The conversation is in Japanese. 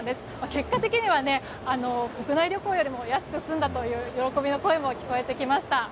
結果的には国内旅行より安く済んだという喜びの声も聞こえてきました。